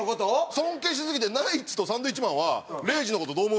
尊敬しすぎてナイツとサンドウィッチマンは「礼二の事どう思う？」